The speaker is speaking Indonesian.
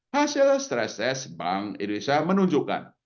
hasil stress bank indonesia menunjukkan